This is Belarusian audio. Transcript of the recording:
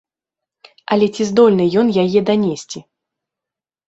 Але ці здольны ён яе данесці?